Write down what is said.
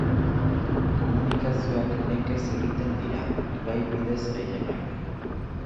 Komunikazioak nekez egiten dira, ibai bidez gehienak.